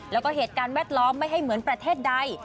แล้วก็เหตุการณ์แวดล้อมไม่ให้เหมือนประเทศใด